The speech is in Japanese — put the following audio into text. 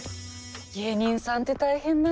芸人さんって大変なんだね。